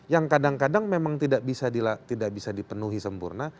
yang kadang kadang memang tidak bisa dipenuhi sempurna